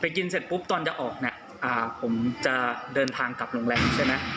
กินเสร็จปุ๊บตอนจะออกเนี่ยผมจะเดินทางกลับโรงแรมใช่ไหม